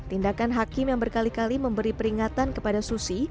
tindakan hakim yang berkali kali memberi peringatan kepada susi